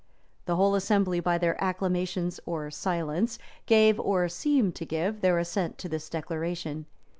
The whole assembly, by their acclamations or silence, gave or seemed to give, their assent to this declaration.